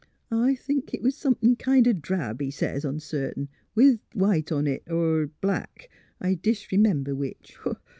' I think it was somethin' kind o' drab,' he sez, uncertain, ' with white on it, er black — I disre member which.'